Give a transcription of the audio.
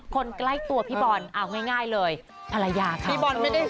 คนใกล้ตัวพี่บอลเอาง่ายเลยภรรยาครับ